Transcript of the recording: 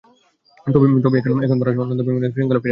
তবে এখন ভাড়াসহ অন্য দাবি মেনে নিলে শৃঙ্খলা ফিরিয়ে আনা হবে।